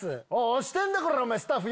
押してんでコラスタッフ！